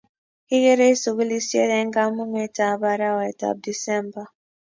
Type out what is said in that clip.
Kikerei sugulisyet eng kamung'etab arawetab december